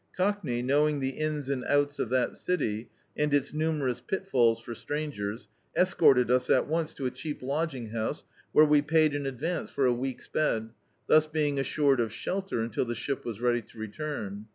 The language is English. Cockney, knowing the ins and outs of that city, and its numerous pitfalls for strangers, escorted us at once to a cheap lodg^n^ Dn.icdt, Google Thieves house* where we paid in advance for a week's bed* thus being assured of shelter until the ship was ready to return.